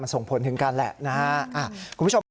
มันส่งผลถึงกันแหละนะครับ